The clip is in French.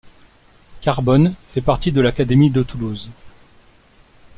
Carbonne fait partie de l'académie de Toulouse.